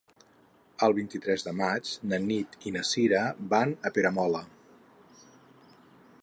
El vint-i-tres de maig na Nit i na Sira van a Peramola.